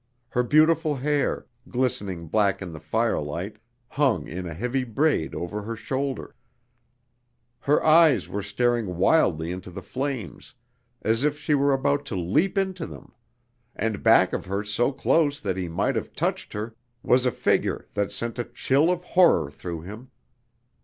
Her beautiful hair, glistening black in the firelight, hung in a heavy braid over her shoulder; her eyes were staring wildly into the flames, as if she were about to leap into them, and back of her so close that he might have touched her, was a figure that sent a chill of horror through him.